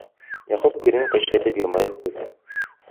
Яҡуп иренен ҡыйшайтып йылмайып ҡуйҙы.